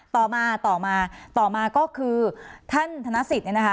ต่อมาต่อมาต่อมาก็คือท่านธนสิทธิเนี่ยนะคะ